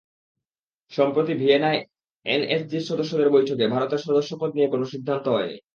সম্প্রতি ভিয়েনায় এনএসজির সদস্যদের বৈঠকে ভারতের সদস্যপদ নিয়ে কোনো সিদ্ধান্ত হয়নি।